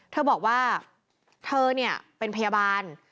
เธอบอกว่าเธอเนี่ยเป็นพยาบาล